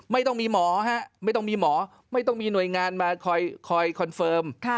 ไม่ต้องมีหมอไม่ต้องมีหน่วยงานมาคอยคอนเฟิร์ม